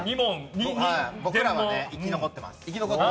僕らは生き残ってます。